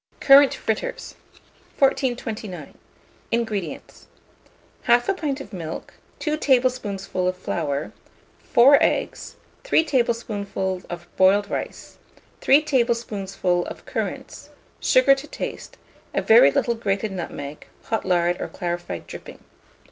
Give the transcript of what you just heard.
CURRANT FRITTERS. 1429. INGREDIENTS. 1/2 pint of milk, 2 tablespoonfuls of flour, 4 eggs, 3 tablespoonfuls of boiled rice, 3 tablespoonfuls of currants, sugar to taste, a very little grated nutmeg, hot lard or clarified dripping.